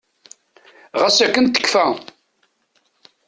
Ɣas akken tekkfa.